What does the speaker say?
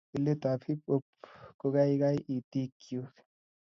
tulet ap hiphop kokaikaii itik chuu